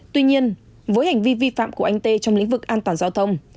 tuy nhiên với hành vi vi phạm của anh tê trong lĩnh vực an toàn giao thông